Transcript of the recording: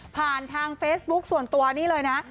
ผ่านทางเฟซบุ๊คส่วนตัวนี่เลยนะ